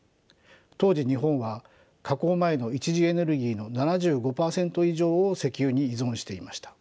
当時日本は加工前の一次エネルギーの７５％以上を石油に依存していました。